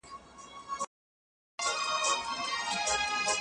تاسي په خاطر د الله دا کار وکړ.